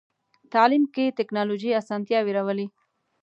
تعلیم کې ټکنالوژي اسانتیاوې راولي.